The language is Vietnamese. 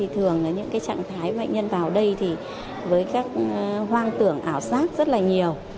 thường những trạng thái bệnh nhân vào đây với các hoang tưởng ảo sát rất nhiều